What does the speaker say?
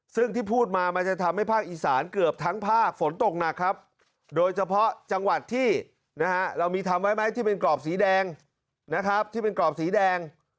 ซึ่งที่พูดมามันจะทำให้ภาคอีสานเกือบทั้งภาคฝนตกหนักครับโดยเฉพาะจังหวัดที่นะฮะเรามีทำไว้ไหมที่เป็นกรอบสีแดงนะครับที่เป็นกรอบสีแดง